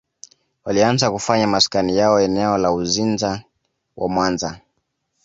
Walianza kufanya maskani yao eneo la Uzinza na Mwanza